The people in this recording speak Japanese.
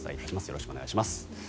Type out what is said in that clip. よろしくお願いします。